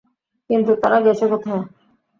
কিন্তু তারা গেছে কোথায়?